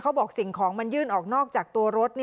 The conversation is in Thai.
บอกสิ่งของมันยื่นออกนอกจากตัวรถ